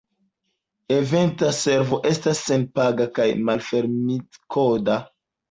Eventa Servo estas senpaga kaj malfermitkoda.